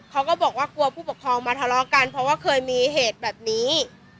เขาก็บอกว่ากลัวผู้ปกครองมาทะเลาะกันเพราะว่าเคยมีเหตุแบบนี้